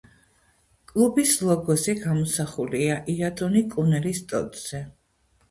კლუბის ლოგოზე გამოსახულია იადონი კუნელის ტოტზე.